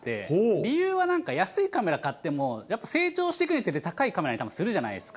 理由は、なんか安いカメラ買っても、やっぱ成長していくにつれて、高いカメラにするじゃないですか。